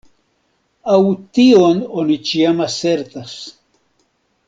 Aŭ tion oni ĉiam asertas.